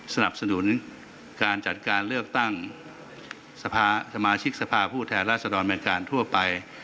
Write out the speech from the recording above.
สนับสนุนการจัดการเลือกตั้งสมาชิกสภาพผู้แทนราษฎรเป็นการทั่วไป